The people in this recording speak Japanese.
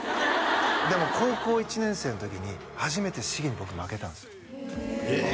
でも高校１年生の時に初めてしげに僕負けたんですえ！